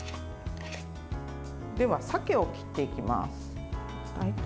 では鮭を切っていきます。